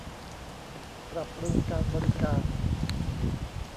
ปรับปรุงการบริการ